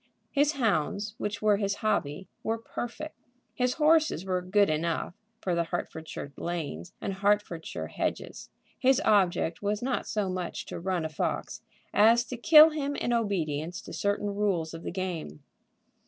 His hounds, which were his hobby, were perfect. His horses were good enough for the Hertfordshire lanes and Hertfordshire hedges. His object was not so much to run a fox as to kill him in obedience to certain rules of the game.